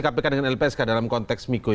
kpk dengan lpsk dalam konteks miko